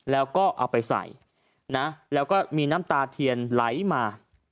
แล้วก็เอาไปใส่นะแล้วก็มีน้ำตาเทียนไหลมา